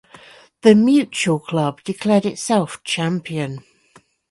The Mutual club declared itself champion.